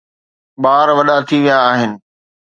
ٻار وڏا ٿي ويا آهن.